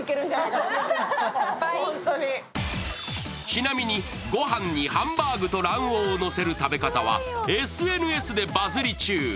ちなみに、ご飯にハンバーグと卵黄をのせる食べ方はＳＮＳでバズリ中。